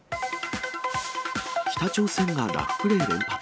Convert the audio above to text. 北朝鮮がラフプレー連発。